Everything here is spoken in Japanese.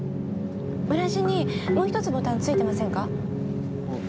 裏地にもう１つボタン付いてませんか？